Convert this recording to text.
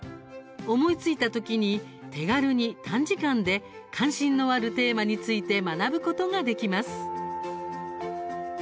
思いついたときに手軽に短時間で関心のあるテーマについて学ぶことができます。